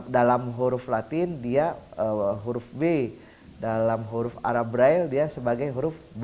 dalam huruf latin dia huruf b dalam huruf arab braille dia sebagai huruf b